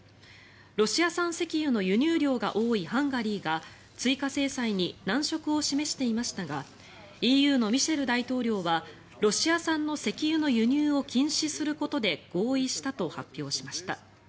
ロシア産石油の輸入量が多いハンガリーが追加制裁に難色を示していましたがＥＵのミシェル大統領はロシア産の石油の輸入を禁止することで合意したと発表しました。